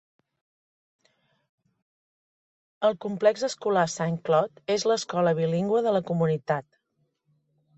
El complex escolar Saint Claude és l'escola bilingüe de la comunitat.